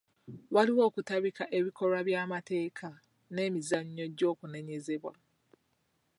Waliwo okutabika ebikolwa by'amateeka n'emizannyo gy'okunenyezebwa.